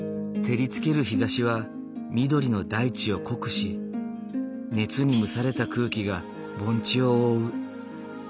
照りつける日ざしは緑の大地を濃くし熱に蒸された空気が盆地を覆う。